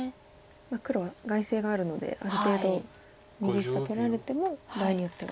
黒は外勢があるのである程度右下取られても場合によってはいい。